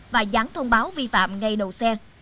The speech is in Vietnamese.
và dán thông báo vi phạm ngay đầu xe